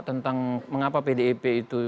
tentang mengapa pdip itu